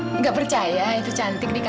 enggak percaya itu cantik di kamu